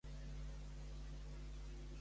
Interclube fou el club on més va destacar.